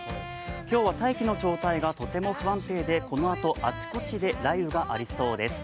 今日は大気の状態がとても不安定でこのあと、あちこちで雷雨がありそうです。